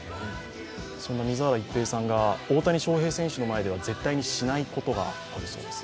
そんな水原一平さんが大谷翔平選手の前では絶対にしないことがあるそうです。